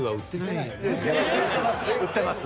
売ってます